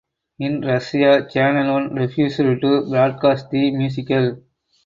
In Russia Channel One refused to broadcast the musical.